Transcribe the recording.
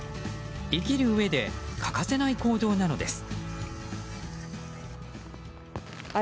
生きるうえで欠かせない行動なのです。